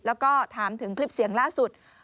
แล้วก็ถามถึงคลิปเสียงล่าสุด